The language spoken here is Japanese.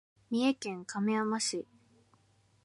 三重県亀山市